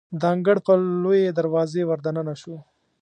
د انګړ په لویې دروازې وردننه شوو.